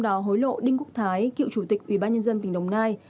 trong đó hối lộ đinh quốc thái cựu chủ tịch ủy ban nhân dân tỉnh đồng nai